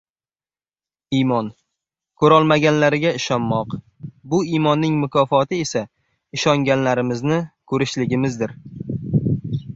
Iymon - ko‘rolmaganlariga ishonmoq, bu iymonning mukofoti esa ishonganlarimizni ko‘rishligimizdir